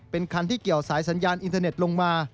เป็นคันที่เกี่ยวสายสัญญาณอินเทอร์เน็ตลงมา